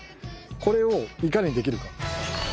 これをいかにできるか。